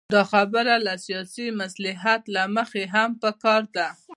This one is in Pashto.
دا خبره له سیاسي مصلحت له مخې هم پکار ده.